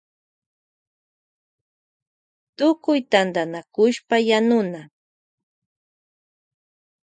Tutkuy tantanakushpa yanuna.